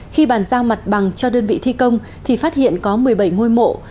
khi bàn giao mặt bằng cho đơn vị thi công thì phát hiện có một mươi bảy ngôi mộ